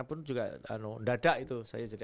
aku pun juga dada itu saya jadi